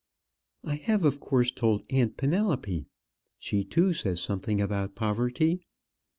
I have, of course, told aunt Penelope. She, too, says something about poverty.